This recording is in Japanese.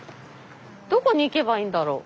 どこに行けばいいんだろう？